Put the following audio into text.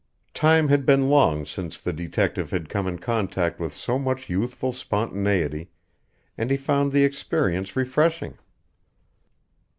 Time had been long since the detective had come in contact with so much youthful spontaneity, and he found the experience refreshing.